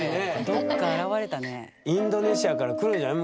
どっか現れたね。